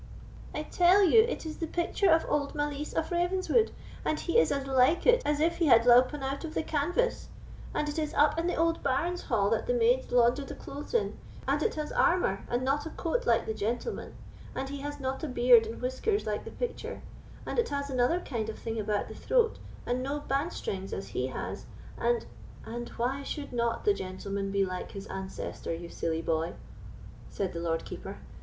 "I tell you, it is the picture of old Malise of Ravenswood, and he is as like it as if he had loupen out of the canvas; and it is up in the old baron's hall that the maids launder the clothes in; and it has armour, and not a coat like the gentleman; and he has not a beard and whiskers like the picture; and it has another kind of thing about the throat, and no band strings as he has; and——" "And why should not the gentleman be like his ancestor, you silly boy?" said the Lord Keeper.